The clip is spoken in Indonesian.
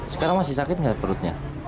sekarang masih sakit nggak perutnya